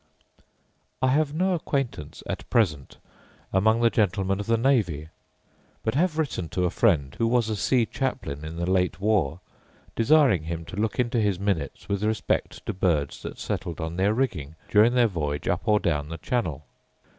I have no acquaintance, at present, among the gentlemen of the navy: but have written to a friend, who was a sea chaplain in the late war, desiring him to look into his minutes, with respect to birds that settled on their rigging during their voyage up or down the channel.